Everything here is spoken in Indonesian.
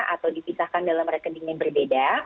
atau dipisahkan dalam rekening yang berbeda